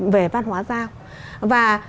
về văn hóa giao và